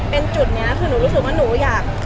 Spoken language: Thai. เป็นจุดนี้คือหนูรู้สึกว่าหนูอยาก